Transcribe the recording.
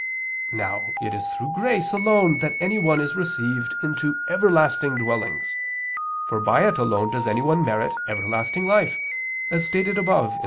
Now it is through grace alone that anyone is received into everlasting dwellings, for by it alone does anyone merit everlasting life as stated above (A.